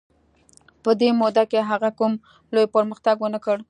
په دې موده کې هغه کوم لوی پرمختګ ونه کړ.